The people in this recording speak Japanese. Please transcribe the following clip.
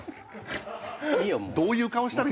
どういう顔したらいい？